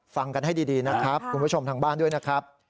ฟังกันให้ดีนะครับคุณผู้ชมทางบ้านด้วยนะครับ